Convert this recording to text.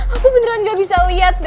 aku beneran nggak bisa lihat dad